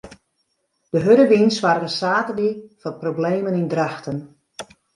De hurde wyn soarge saterdei foar problemen yn Drachten.